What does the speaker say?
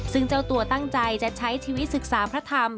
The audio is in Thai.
ซึ่งเจ้าตัวตั้งใจจะใช้ชีวิตศึกษาพระธรรม